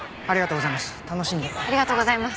ありがとうございます。